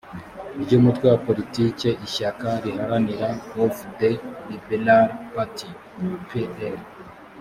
ry umutwe wa politique ishyaka riharanira of the liberal party p l